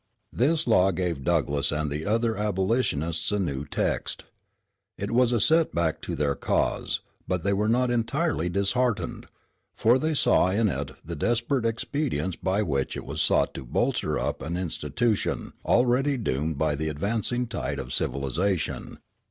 This law gave Douglass and the other abolitionists a new text. It was a set back to their cause; but they were not entirely disheartened, for they saw in it the desperate expedients by which it was sought to bolster up an institution already doomed by the advancing tide of civilization.